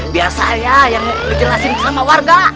biar saya yang menjelaskan sama warga